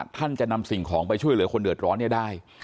ท่านจะนำสิ่งของไปช่วยเหลือคนเดือดร้อนได้